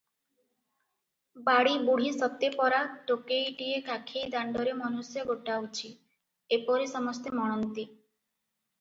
ବାଡ଼ି ବୁଢ଼ୀ ସତେ ପରା ଟୋକେଇଟିଏ କାଖେଇ ଦାଣ୍ଡରେ ମନୁଷ୍ୟ ଗୋଟାଉଛି, ଏପରି ସମସ୍ତେ ମଣନ୍ତି ।